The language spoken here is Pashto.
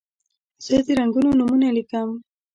زه د رنګونو نومونه لیکم.